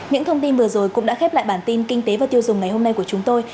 những thông tin vừa rồi cũng đã khép lại bản tin kinh tế và tiêu dùng ngày hôm nay của chúng tôi